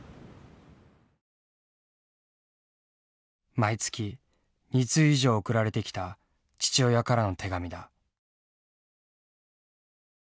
毎月２通以上送られてきた父親からの手紙だ。